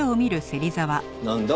なんだ？